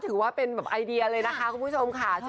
ถือว่าเป็นภาพบุญคนไม่มีแฟนบ้างนะ